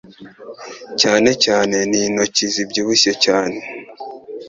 Cyane cyane n'intoki zibyibushye cyane